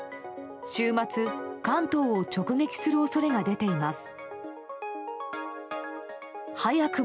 週末、関東を直撃する恐れが出ています。